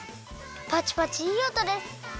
パチパチいいおとです。